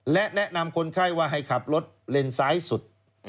และแนะนำคนไข้ว่าให้ขับรถเลนซ้ายสุด